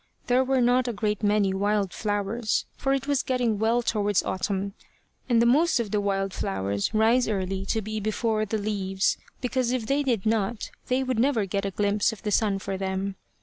There were not a great many wild flowers, for it was getting well towards autumn, and the most of the wild flowers rise early to be before the leaves, because if they did not, they would never get a glimpse of the sun for them.